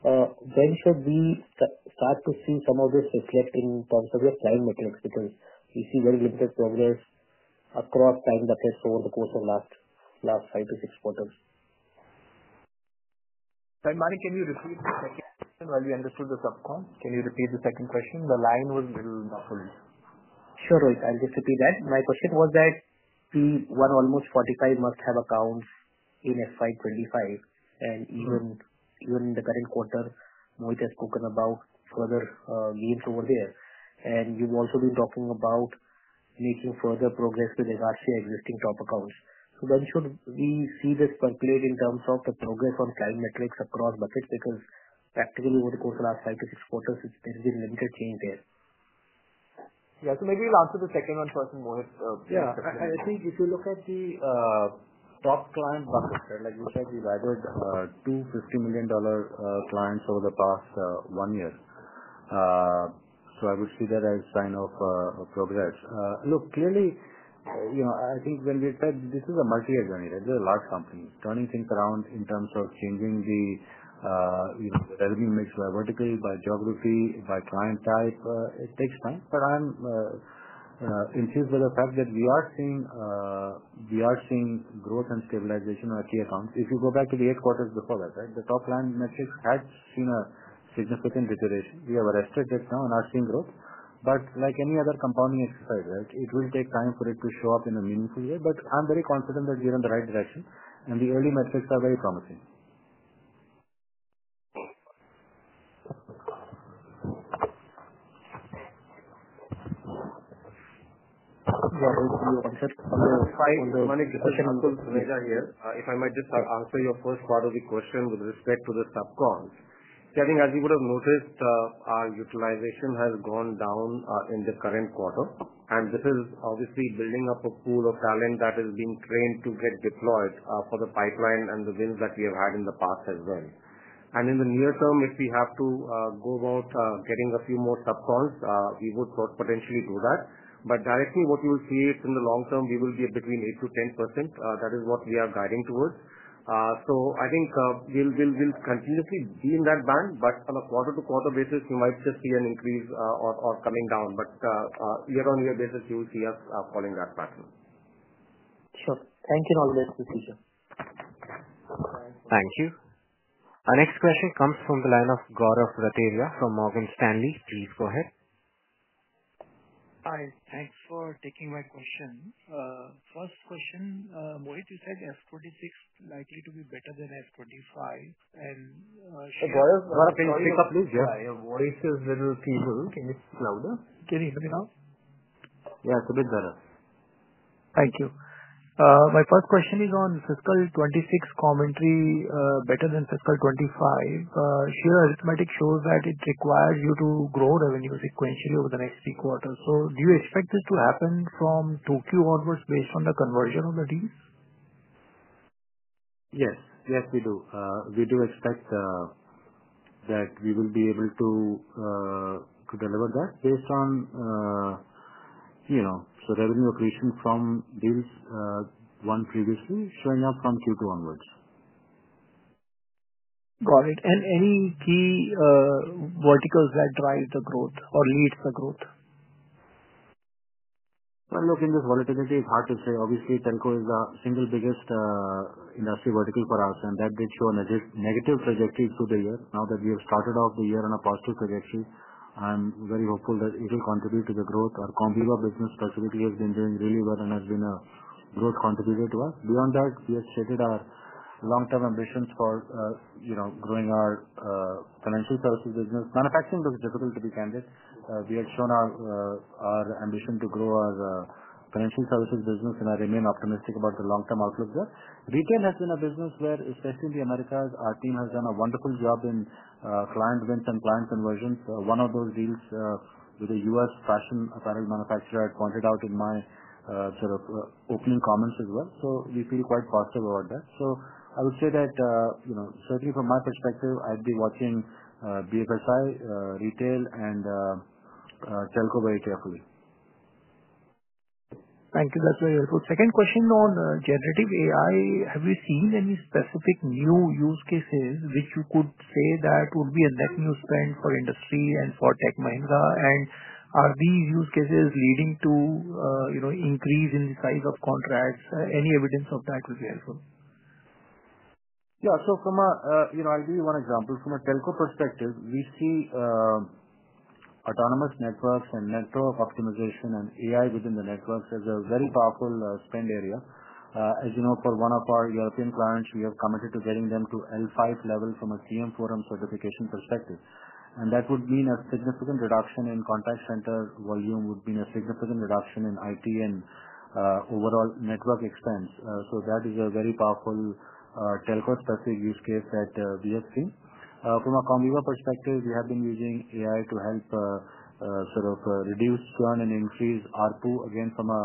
When should we start to see some of this reflect in terms of your client metrics? Because we see very limited progress across time that has flowed over the course of the last 5-6 quarters. Sorry, Manik, can you repeat the second question? We understood the subcon. Can you repeat the second question? The line was a little muffled. Sure, Rohit. I'll just repeat that. My question was that we won almost 45 must-have accounts in FY25, and even in the current quarter, Mohit has spoken about further gains over there. And you've also been talking about making further progress with regards to your existing top accounts. When should we see this percolate in terms of the progress on client metrics across buckets? Because practically, over the course of the last 5-6 quarters, there's been limited change there. Yeah. Maybe we'll answer the second one first, Mohit. Yeah. I think if you look at the top client buckets, right, like you said, we've added two $50 million clients over the past one year. I would see that as a sign of progress. Look, clearly, I think when we said this is a multi-year journey, right? These are large companies. Turning things around in terms of changing the revenue mix by vertical, by geography, by client type, it takes time. I'm intrigued by the fact that we are seeing growth and stabilization of key accounts. If you go back to the eight quarters before that, the top client metrics had seen a significant deterioration. We have arrested it now and are seeing growth. Like any other compounding exercise, right, it will take time for it to show up in a meaningful way. I am very confident that we are in the right direction, and the early metrics are very promising. Yeah. Rohit, you answered on the. Manik Taneja here. If I might just answer your first part of the question with respect to the sub-cons. I think, as you would have noticed, our utilization has gone down in the current quarter. This is obviously building up a pool of talent that is being trained to get deployed for the pipeline and the wins that we have had in the past as well. In the near term, if we have to go about getting a few more subcoms, we would potentially do that. Directly, what you will see is in the long term, we will be between 8%-10%. That is what we are guiding towards. I think we'll continuously be in that band. On a quarter-to-quarter basis, you might just see an increase or coming down. On a year-on-year basis, you will see us following that pattern. Sure. Thank you and all the best. Thank you. Our next question comes from the line of Gaurav Rateria from Morgan Stanley. Please go ahead. Hi. Thanks for taking my question. First question, Mohit, you said F46 likely to be better than F25, and should— Gaurav, can you speak up, please? Yeah. Your voice is a little feeble. Can you speak louder? Can you hear me now? Yeah, it's a bit better. Thank you. My first question is on fiscal 2026 commentary better than fiscal 2025. Share arithmetic shows that it requires you to grow revenue sequentially over the next three quarters. Do you expect this to happen from Tokyo onwards based on the conversion of the deals? Yes. Yes, we do. We do expect that we will be able to deliver that based on the revenue accretion from deals won previously showing up from Q2 onwards. Got it. Any key verticals that drive the growth or lead the growth? In this volatility, it's hard to say. Obviously, Telco is the single biggest industry vertical for us, and that did show a negative trajectory through the year. Now that we have started off the year on a positive trajectory, I'm very hopeful that it will contribute to the growth. Our Comviva business, specifically, has been doing really well and has been a growth contributor to us. Beyond that, we have stated our long-term ambitions for growing our financial services business. Manufacturing looks difficult to be candid. We have shown our ambition to grow our financial services business, and I remain optimistic about the long-term outlook there. Retail has been a business where, especially in the Americas, our team has done a wonderful job in client wins and client conversions. One of those deals with a U.S. fashion apparel manufacturer I pointed out in my sort of opening comments as well. We feel quite positive about that. I would say that. Certainly, from my perspective, I'd be watching BFSI, Retail, and Telco very carefully. Thank you. That's very helpful. Second question on generative AI. Have you seen any specific new use cases which you could say that would be a net new spend for industry and for Tech Mahindra? Are these use cases leading to increase in the size of contracts? Any evidence of that would be helpful. Yeah. From a—I'll give you one example. From a Telco perspective, we see autonomous networks and network optimization and AI within the networks as a very powerful spend area. As you know, for one of our European clients, we have committed to getting them to L5 level from a TM Forum certification perspective. That would mean a significant reduction in contact center volume, would mean a significant reduction in IT and overall network expense. That is a very powerful Telco specific use case that we have seen. From a Comviva perspective, we have been using AI to help sort of reduce churn and increase ARPU, again, from a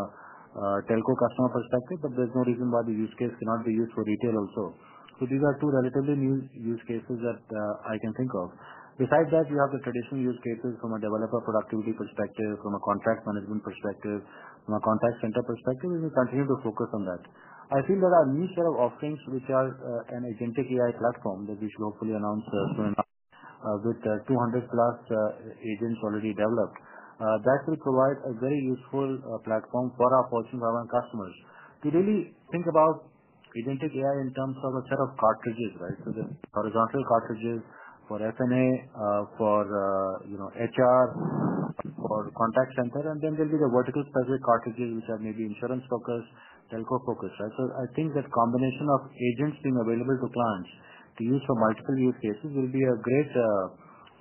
Telco customer perspective. There is no reason why the use case cannot be used for retail also. These are two relatively new use cases that I can think of. Besides that, you have the traditional use cases from a developer productivity perspective, from a contract management perspective, from a contact center perspective. We will continue to focus on that. I feel there are a new set of offerings which are an agentic AI platform that we should hopefully announce soon enough with 200+ agents already developed. That will provide a very useful platform for our Fortune 500 customers to really think about agentic AI in terms of a set of cartridges, right? There are horizontal cartridges for F&A, for HR, for contact center. Then there will be the vertical-specific cartridges which are maybe insurance-focused, Telco focused, right? I think that combination of agents being available to clients to use for multiple use cases will be a great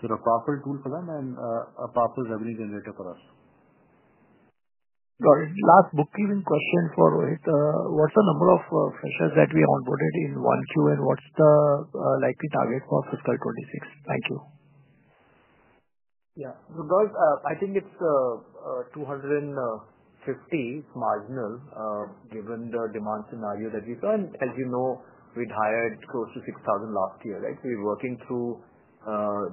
sort of powerful tool for them and a powerful revenue generator for us. Got it. Last bookkeeping question for Rohit. What's the number of freshers that we onboarded in one Q, and what's the likely target for fiscal 2026? Thank you. Yeah. So guys, I think it's 250, marginal, given the demand scenario that we saw. And as you know, we'd hired close to 6,000 last year, right? So we're working through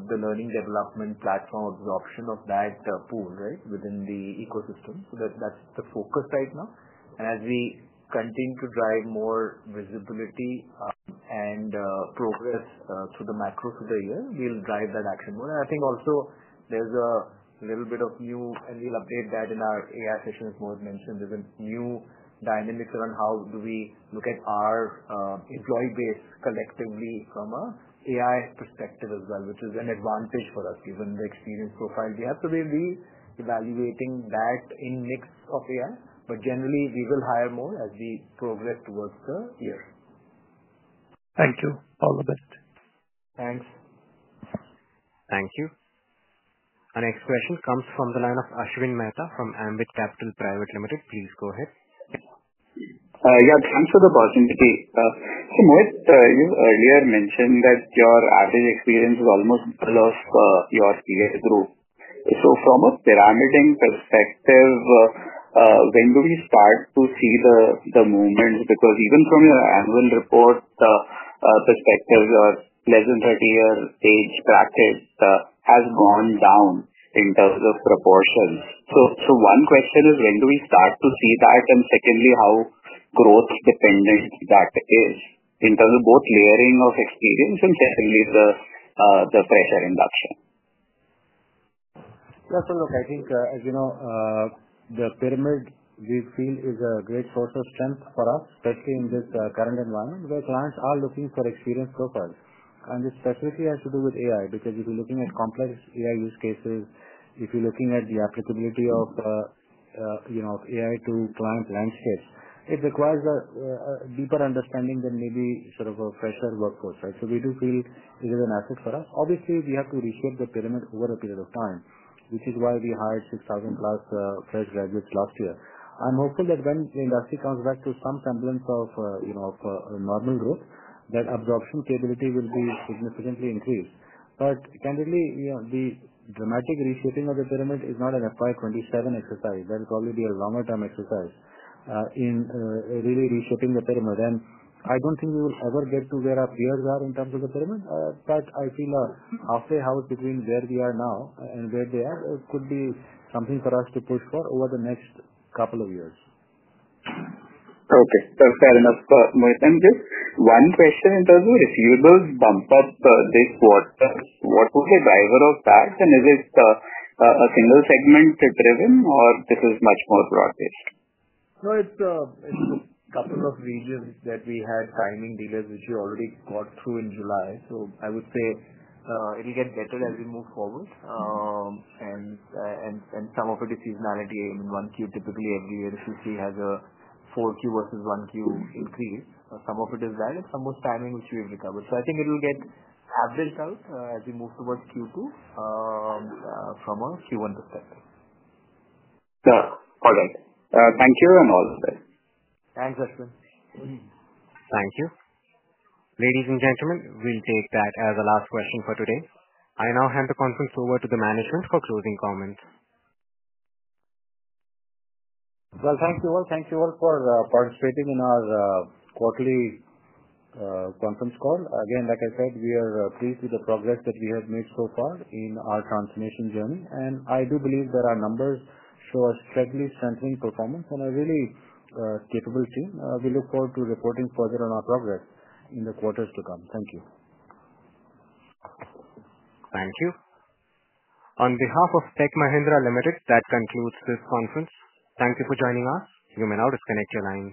the learning development platform absorption of that pool, right, within the ecosystem. That's the focus right now. As we continue to drive more visibility and progress through the macro for the year, we'll drive that action more. I think also there's a little bit of new—and we'll update that in our AI sessions, Mohit mentioned—there's a new dynamic around how do we look at our employee base collectively from an AI perspective as well, which is an advantage for us given the experience profile we have. We'll be evaluating that in-mix of AI. But generally, we will hire more as we progress towards the year. Thank you. All the best. Thanks. Thank you. Our next question comes from the line of Ashwin Mehta from Ambit Capital Private Limited. Please go ahead. Yeah. Thanks for the opportunity. So Mohit, you earlier mentioned that your average experience is almost double of your peer group. From a pyramiding perspective, when do we start to see the movements? Because even from your annual report perspective, your less than 30-year age bracket has gone down in terms of proportions. One question is, when do we start to see that? And secondly, how growth-dependent that is in terms of both layering of experience and certainly the fresher induction? Yeah. I think, as you know. The pyramid we feel is a great source of strength for us, especially in this current environment where clients are looking for experience profiles. This specifically has to do with AI because if you're looking at complex AI use cases, if you're looking at the applicability of AI to client landscapes, it requires a deeper understanding than maybe sort of a fresher workforce, right? We do feel it is an asset for us. Obviously, we have to reshape the pyramid over a period of time, which is why we hired 6,000-plus fresh graduates last year. I'm hopeful that when the industry comes back to some semblance of normal growth, that absorption capability will be significantly increased. Candidly, the dramatic reshaping of the pyramid is not an FY27 exercise. That would probably be a longer-term exercise in really reshaping the pyramid. I do not think we will ever get to where our peers are in terms of the pyramid. I feel a halfway house between where we are now and where they are could be something for us to push for over the next couple of years. Okay. That is fair enough, Mohit. Just one question in terms of refutables bump up this quarter. What was the driver of that? Is it a single-segment driven, or is this much more broad-based? No. It is a couple of regions that we had timing dealers which we already got through in July. I would say it will get better as we move forward. Some of it is seasonality. I mean, 1Q, typically every year, the Q3 has a 4Q versus 1Q increase. Some of it is that, and some of it is timing which we have recovered. I think it'll get averaged out as we move towards Q2. From a Q1 perspective. Got it. All right. Thank you and all the best. Thanks, Ashwin. Thank you. Ladies and gentlemen, we'll take that as the last question for today. I now hand the conference over to the management for closing comments. Thank you all. Thank you all for participating in our quarterly conference call. Again, like I said, we are pleased with the progress that we have made so far in our transformation journey. I do believe that our numbers show a steadily strengthening performance and a really capable team. We look forward to reporting further on our progress in the quarters to come. Thank you. Thank you. On behalf of Tech Mahindra Limited, that concludes this conference. Thank you for joining us. You may now disconnect your line.